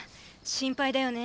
心配だよね。